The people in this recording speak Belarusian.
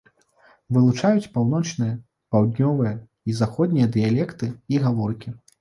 Вылучаюць паўночныя, паўднёвыя і заходнія дыялекты і гаворкі.